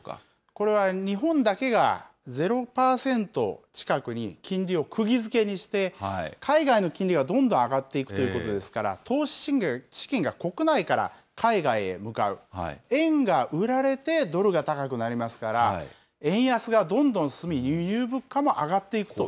これは日本だけがゼロ％近くに金利をくぎづけにして、海外の金利はどんどん上がっていくということですから、投資資金が国内から海外へ向かう、円が売られてドルが高くなりますから、円安がどんどん進み、輸入物価も上がっていくと。